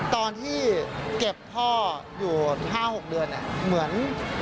ตอนที่เก็บพ่ออยู่๕๖เดือนเหมือน